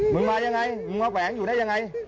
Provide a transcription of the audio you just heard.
มึงมายังไงมึงมาแฝงอยู่ได้ยังไง